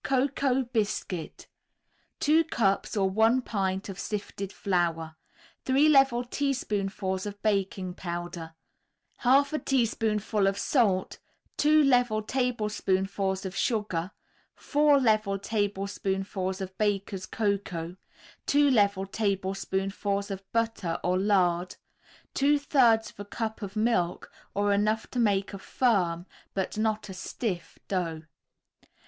COCOA BISCUIT 2 cups or 1 pint of sifted flour, 3 level teaspoonfuls of baking powder, 1/2 a teaspoonful of salt, 2 level tablespoonfuls of sugar, 4 level tablespoonfuls of Baker's Cocoa, 2 level tablespoonfuls of butter or lard, 2/3 a cup of milk or enough to make a firm but not a stiff dough.